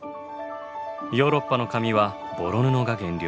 ヨーロッパの紙はボロ布が原料。